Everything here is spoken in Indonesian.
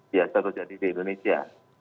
biasa terjadi di indonesia